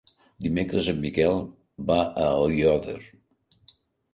Dimecres en Miquel va a Aiòder.